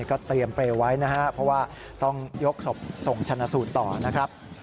ก็เตรียมเปรย์ไว้นะครับเพราะว่าต้องยกศพส่งชนะสูตรต่อนะครับ